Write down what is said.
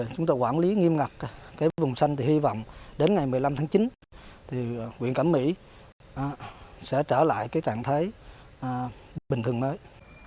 chúng tôi quản lý nghiêm ngặt cái vùng xanh thì hy vọng đến ngày một mươi năm tháng chín thì huyện cẩm mỹ sẽ trở lại trạng thế bình thường mới